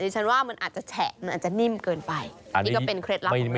ฉันว่ามันอาจจะแฉะมันอาจจะนิ่มเกินไปนี่ก็เป็นเคล็ดลับของเรา